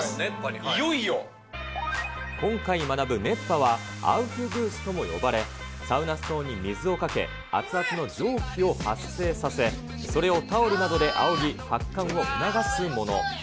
今回学ぶ熱波はアウフグースとも呼ばれ、サウナストーンに水をかけ、熱々の蒸気を発生させ、それをタオルなどであおぎ、発汗を促すもの。